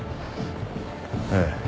ええ。